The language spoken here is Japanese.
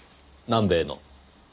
南米の？